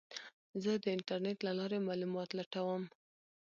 زه د انټرنیټ له لارې معلومات لټوم.